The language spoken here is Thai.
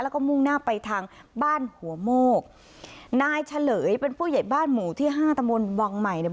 แล้วก็มุ่งหน้าไปทางบ้านหัวโมกนายเฉลยเป็นผู้ใหญ่บ้านหมู่ที่ห้าตะมนต์วังใหม่เนี่ย